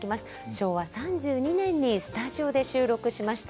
昭和３２年にスタジオで収録しました